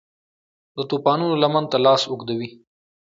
د توپانونو لمن ته لاس اوږدوي